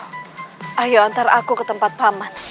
kaya jako ntar aku ke tempat paman